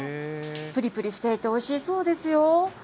ぷりぷりしていて、おいしそうですよ。